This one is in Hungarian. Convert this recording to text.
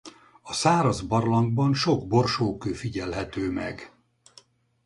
A száraz barlangban sok borsókő figyelhető meg.